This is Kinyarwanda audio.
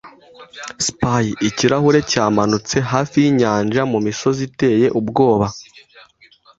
Spy- ikirahure, cyamanutse hafi yinyanja mumisozi iteye ubwoba.